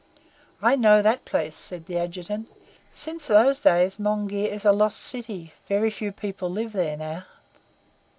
"I know that place," said the Adjutant. "Since those days Monghyr is a lost city. Very few live there now."